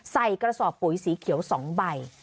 ใส่กระสอบปุ๋ยสีเขียว๒ใบ